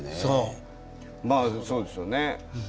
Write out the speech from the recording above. まあそうですよね。